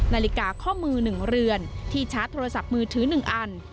นาฬิกาข้อมือ๑เรือนที่ชาร์จโทรศัพท์มือถือ๑อัน